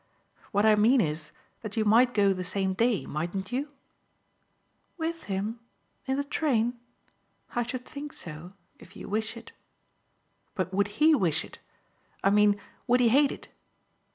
"What I mean is that you might go the same day, mightn't you?" "With him in the train? I should think so if you wish it." "But would HE wish it? I mean would he hate it?"